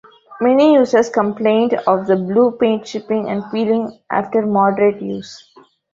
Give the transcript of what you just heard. Many users complained of the blue paint chipping and peeling after moderate use.